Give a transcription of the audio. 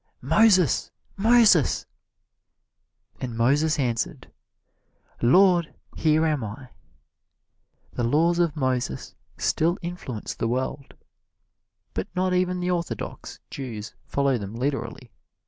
"Moses, Moses!" And Moses answered, "Lord, here am I." The laws of Moses still influence the world, but not even the orthodox Jews follow them literally.